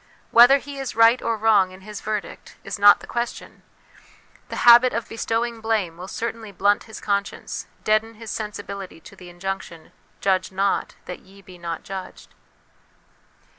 Whether he is right or wrong in his verdict, is not the question ; the habit of bestowing blame will certainly blunt his conscience, deaden his sensibility to the injunction, " Judge not, that ye be not judged."